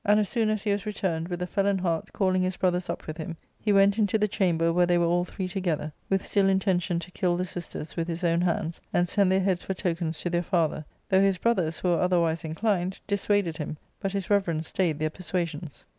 363 as soon as he was returned, with a felon heart calling his brothers up with him, he went into the chamber where they were all three together, with still intention to kill the sisters with his own hands, and send thei/heads for tokens to their father ; though his brothers, who were otherwise inclined, dissuaded him ; but his reverence stayed their persuasions.